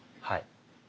はい。